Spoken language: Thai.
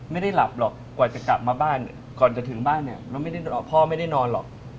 ไม่ได้หลับหรอกกว่าจะกลับมาบ้านก่อนจะถึงบ้านเนี่ยพ่อไม่ได้นอนหรอก